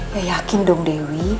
ya yakin dong dewi